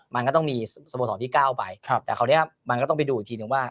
มันก็ต้องมีสมบูรณ์สอนที่๙ไปแต่คราวนี้มันก็ต้องไปดูอีกทีหนึ่งว่า